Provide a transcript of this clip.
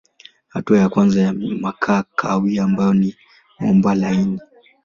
Hatua ya kwanza ni makaa kahawia ambayo ni mwamba laini.